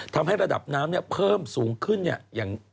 ทำให้ระดับน้ำเนี่ยเพิ่มสูงขึ้นเนี่ยอย่าง